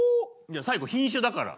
最後品種だから。